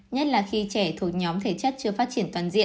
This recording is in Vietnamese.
nhất là khi trẻ thuộc nhóm thể chất chưa phát triển toàn diện